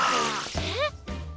えっ！